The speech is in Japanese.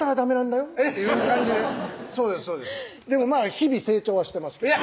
日々成長はしてます